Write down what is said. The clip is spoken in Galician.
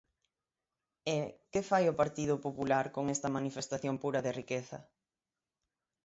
E, ¿que fai o Partido Popular con esta manifestación pura de riqueza?